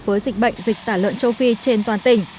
với dịch bệnh dịch tả lợn châu phi trên toàn tỉnh